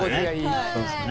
そうっすね。